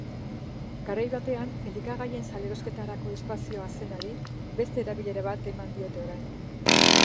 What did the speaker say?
Garai batean elikagaien salerosketarako espazioa zenari beste erabilera bat eman diote orain.